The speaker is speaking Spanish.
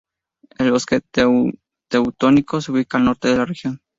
El Bosque teutónico se ubica al norte de la región.